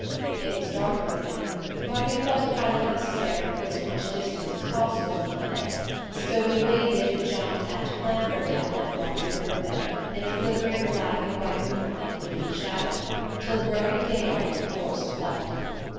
It was darker there, but we felt it highly necessary to put as much distance as possible behind us; so we waded, jumped, and clambered down that rocky riverbed, in the flickering black and white moonlight and leaf shadow, till growing daylight forced a halt.